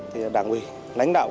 thì đảng quỳ lãnh đạo